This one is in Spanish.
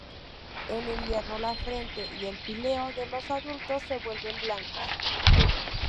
En invierno la frente y el píleo de los adultos se vuelven blancos.